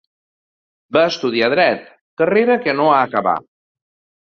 Va estudiar Dret, carrera que no acabà.